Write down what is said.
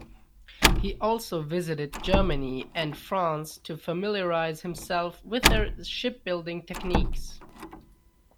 He also visited Germany and France to familiarize himself with their shipbuilding techniques.